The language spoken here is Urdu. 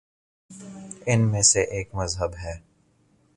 ان میں سے ایک مذہب ہے۔